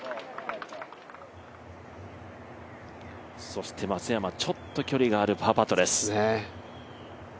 そして松山、ちょっと距離があるパーパットです。